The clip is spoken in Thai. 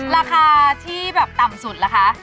ราคาที่แบบต่ำสุดล่ะคะ